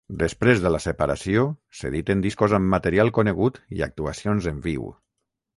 Després de la separació s'editen discos amb material conegut i actuacions en viu.